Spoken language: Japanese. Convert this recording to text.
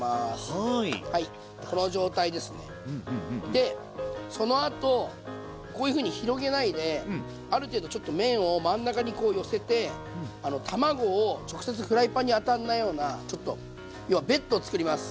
でそのあとこういうふうに広げないである程度ちょっと麺を真ん中にこう寄せて卵を直接フライパンに当たんないようなちょっと要はベッドを作ります。